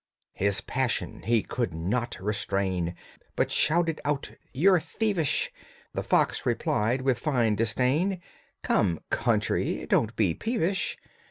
His passion he could not restrain, But shouted out, "You're thievish!" The fox replied, with fine disdain, "Come, country, don't be peevish."